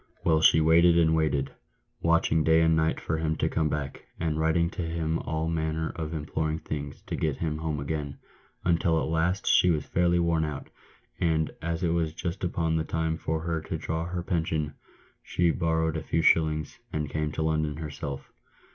Well, she waited and waited, watching day and night for him to come back, and writing to him all manner of imploring things to get him home again, until at last she was fairly worn out ; and, as it was just upon the time for her to draw her pension, she borrowed a few shillings, and came to London herself."